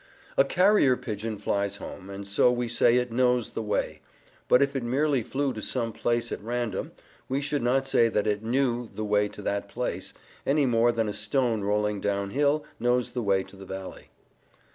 A carrier pigeon flies home, and so we say it "knows" the way. But if it merely flew to some place at random, we should not say that it "knew" the way to that place, any more than a stone rolling down hill knows the way to the valley.